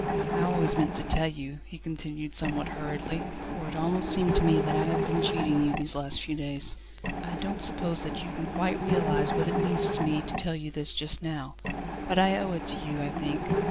"I always meant to tell you," he continued somewhat hurriedly; "for it almost seemed to me that I have been cheating you, these last few days. I don't suppose that you can quite realise what it means to me to tell you this just now; but I owe it to you, I think.